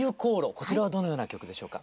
こちらはどのような曲でしょうか？